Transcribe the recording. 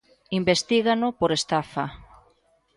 Investígano por estafa.